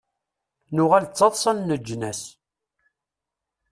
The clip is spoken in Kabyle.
Nuɣal d taḍṣa n leǧnas.